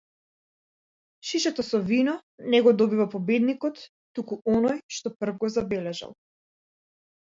Шишето со вино не го добива победникот, туку оној што прв го забележал.